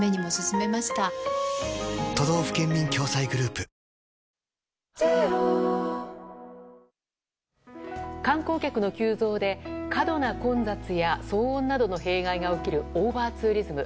メロメロ観光客の急増で、過度な混雑や騒音などの弊害が起きるオーバーツーリズム。